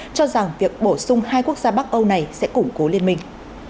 cho rằng việc bổ sung hai quốc gia bắc âu này sẽ củng cố liên minh